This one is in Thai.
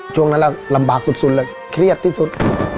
ช่วงนั้นเราลำบากสุดเลยเครียดที่สุด